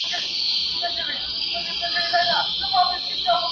چاته وايی چي آواز دي اسماني دی!!